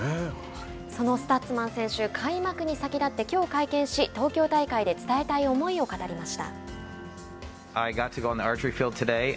そのスタッツマン選手開幕に先立ってきょう会見し東京大会で伝えたい思いを語りました。